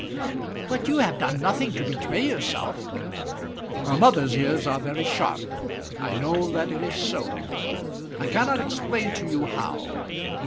"But you have done nothing to betray yourself." "A mother's ears are very sharp. I know that it is so. I cannot explain to you how.